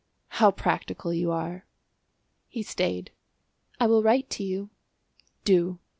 "How practical you are!" He stayed. "I will write to you." "Do."